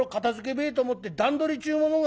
べえと思って段取りちゅうものがある。